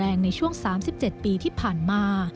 เป็นความรุนแรงในช่วง๓๗ปีที่ผ่านมา